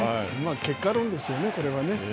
結果論ですよね、これはね。